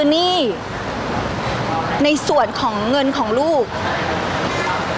พี่ตอบได้แค่นี้จริงค่ะ